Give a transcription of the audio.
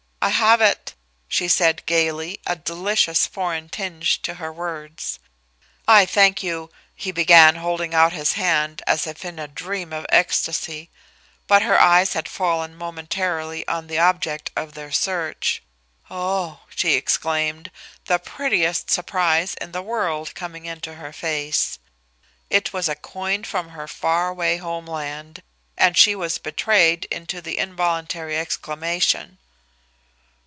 "I have it," she said, gaily, a delicious foreign tinge to the words. "I thank you " he began, holding out his hand as if in a dream of ecstacy, but her eyes had fallen momentarily on the object of their search. "Oh!" she exclaimed, the prettiest surprise in the world coming into her face. It was a coin from her faraway homeland, and she was betrayed into the involuntary exclamation.